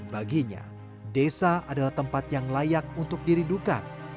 baginya desa adalah tempat yang layak untuk dirindukan